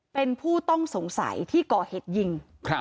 เป็นผู้ต้องสงสัยที่ก่อเหตุยิง